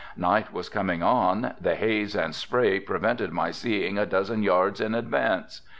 Night was coming on, the haze and spray prevented my seeing a dozen yards in advance.